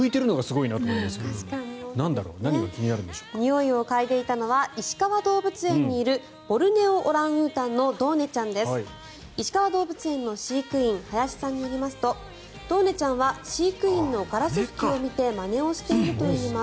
いしかわ動物園の飼育員林さんによりますとドーネちゃんは飼育員のガラス拭きを見てまねをしているといいます。